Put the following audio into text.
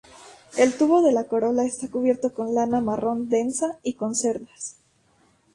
El tubo de la corola está cubierto con lana marrón densa y con cerdas.